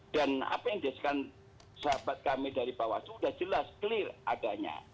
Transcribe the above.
dan apa yang dihasilkan sahabat kami dari bawah sudah jelas clear adanya